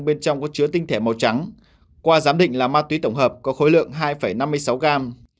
bên trong có chứa tinh thể màu trắng qua giám định là ma túy tổng hợp có khối lượng hai năm mươi sáu gram